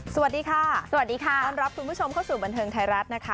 สวัสดีค่ะสวัสดีค่ะต้อนรับคุณผู้ชมเข้าสู่บันเทิงไทยรัฐนะคะ